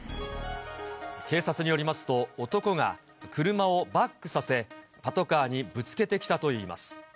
警察によりますと、男が車をバックさせ、パトカーにぶつけてきたといいます。